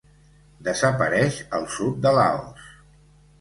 Desapareix el sud de Laos.